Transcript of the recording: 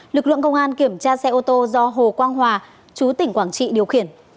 lực lượng công an kiểm tra xe ô tô do hồ quang hòa chú tỉnh quảng trị điều khiển